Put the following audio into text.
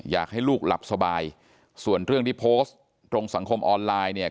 อยากให้ลูกหลับสบายส่วนเรื่องที่โพสต์ตรงสังคมออนไลน์เนี่ย